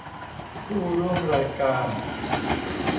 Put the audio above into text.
ผู้ร่วมรายการ